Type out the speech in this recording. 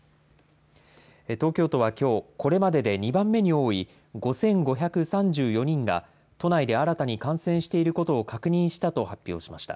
東京都はきょう、これまでで２番目に多い５５３４人が、都内で新たに感染していることを確認したと発表しました。